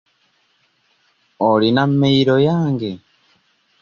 OIina mmeyiro yange?